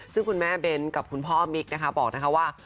ซึ่งคุณแม่เบ้นกับคุณพ่อมิ๊กนะคะบอกนะคะว่า